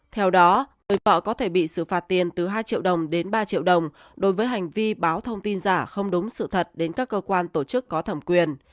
theo đó người bọ có thể bị xử phạt tiền từ hai triệu đồng đến ba triệu đồng đối với hành vi báo thông tin giả không đúng sự thật đến các cơ quan tổ chức có thẩm quyền